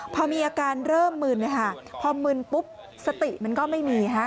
พอมีอาการเริ่มมึนพอมึนปุ๊บสติมันก็ไม่มีฮะ